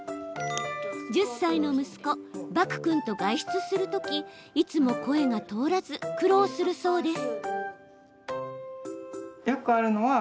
１０歳の息子・麦君と外出するとき、いつも声が通らず苦労するそうです。